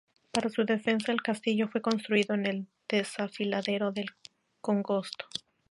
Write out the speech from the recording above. Para su defensa el castillo fue construido en el desfiladero del congosto.